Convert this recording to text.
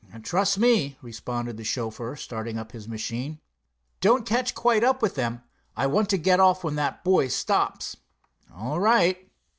"Trust me," responded the chauffeur, starting up his machine. "Don't catch quite up with them. I want to get off when that boy stops." "All right."